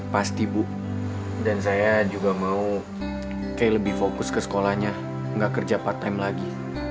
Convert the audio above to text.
pasti bu dan saya juga mau kayak lebih fokus ke sekolahnya nggak kerja part time lagi